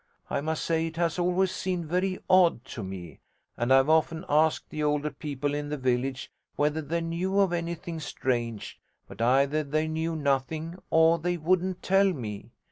I must say it has always seemed very odd to me, and I've often asked the older people in the village whether they knew of anything strange: but either they knew nothing or they wouldn't tell me.